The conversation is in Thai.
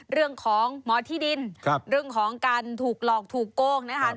เรื่องของหมอที่ดินเรื่องของการถูกหลอกถูกโก้งนะคะ